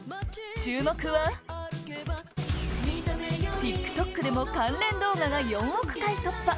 注目はＴｉｋＴｏｋでも関連動画が４億回突破！